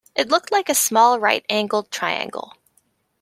It looked like a small right-angled triangle